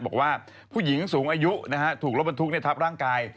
บอกว่าผู้หญิงสูงอายุนะฮะถูกรถบรรทุกทับร่างกาย